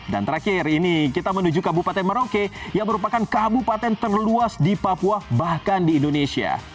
terakhir ini kita menuju kabupaten merauke yang merupakan kabupaten terluas di papua bahkan di indonesia